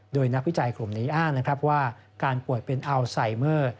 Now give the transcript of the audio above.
โดยนักวิจัยกลุ่มนี้อ้างนะครับว่าการป่วยเป็นอัลไซเมอร์